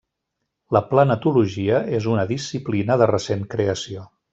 La planetologia és una disciplina de recent creació.